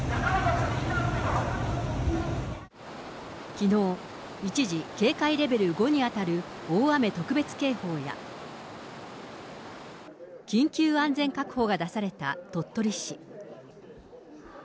きのう、一時警戒レベル５に当たる大雨特別警報や、緊急安全確保が出された鳥取市。